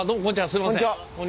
すいません。